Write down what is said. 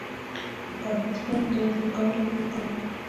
د کرفس پاڼې د وزن د کمولو لپاره وکاروئ